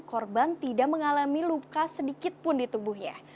korban tidak mengalami luka sedikit pun di tubuhnya